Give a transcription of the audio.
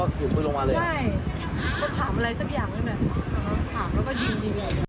ถามอะไรสักอย่างด้วยหน่อยถามแล้วก็ยิงยิงเลย